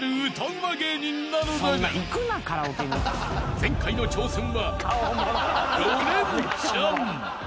うま芸人なのだが前回の挑戦は］